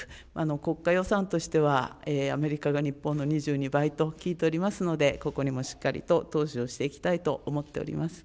国家予算としては、アメリカが日本の２２倍と聞いておりますので、ここにもしっかりと投資をしていきたいと思っております。